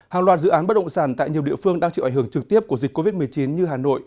hàng loạt dự án bất động sản tại nhiều địa phương đang chịu ảnh hưởng trực tiếp của dịch covid một mươi chín như hà nội